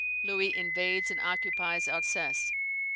Louis invades and occupies Alsace.